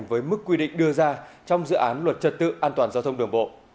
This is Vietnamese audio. với mức quy định đưa ra trong dự án luật trật tự an toàn giao thông đường bộ